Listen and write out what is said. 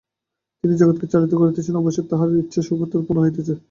তিনি জগৎকে চালিত করিতেছেন এবং অবশ্য তাঁহার ইচ্ছা সর্বত্র পূর্ণ হইতেছে।